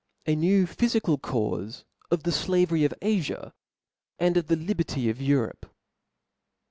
• A New phyfical Caufe of the Slavery (f jifia, and of the Liberty of Europe.